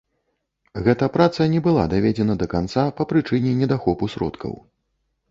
Гэта праца не была даведзена да канца па прычыне недахопу сродкаў.